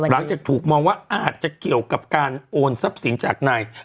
หลังจากถูกมองว่าอาจจะเกี่ยวกับการโอนทรัพย์สินจากนาย